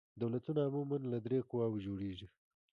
دولتونه عموماً له درې قواوو جوړیږي.